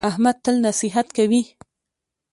احمد تل نصیحت کوي.